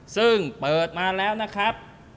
ซึ่งเปิดมาแล้วนะครับ